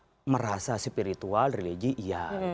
di bawah ada merasa spiritual religi iya